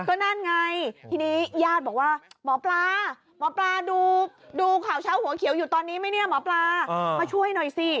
ก็นั่นไงทีนี้ญาติบอกว่าหมอปลาหมอปลาดูข่าวเช้าหัวเขียวอยู่ตอนนี้ไหมเนี่ยหมอปลามาช่วยหน่อยสิ